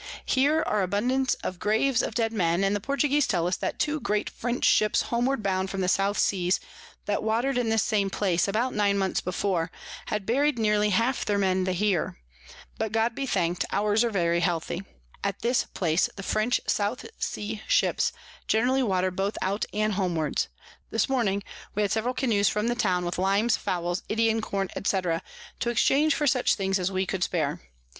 Here are abundance of [Sidenote: At the Isle of Grande in Brazile.] Graves of dead Men; and the Portuguese tell us, that two great French Ships homeward bound from the South Seas, that water'd in this same place about nine months before, had bury'd near half their Men here; but God be thank'd ours are very healthy. At this place the French South Sea Ships generally water both out and homewards. This Morning we had several Canoes from the Town, with Limes, Fowls, Indian Corn, &c. to exchange for such things as we could spare.